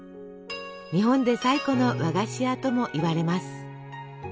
日本で最古の和菓子屋ともいわれます。